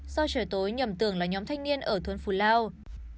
do trời tối nhầm tưởng là nhóm thanh niên ở thôn phù lao